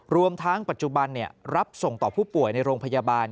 รวมทั้งปัจจุบันรับส่งต่อผู้ป่วยในโรงพยาบาล